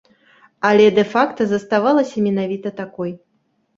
Але дэ-факта заставалася менавіта такой.